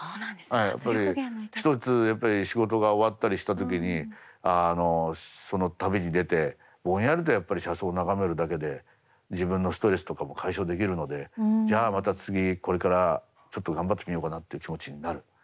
一つやっぱり仕事が終わったりした時にその旅に出てぼんやりとやっぱり車窓を眺めるだけで自分のストレスとかも解消できるのでじゃあまた次これからちょっと頑張ってみようかなって気持ちになる。